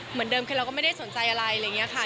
เหมือนเดิมคือเราก็ไม่ได้สนใจอะไรอะไรอย่างนี้ค่ะ